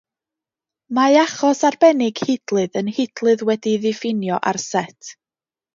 Mae achos arbennig hidlydd yn hidlydd wedi'i ddiffinio ar set.